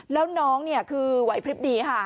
แล้วน้องเนี่ยคือไหวพลิบดีค่ะ